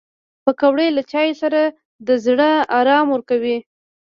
پکورې له چایو سره د زړه ارام ورکوي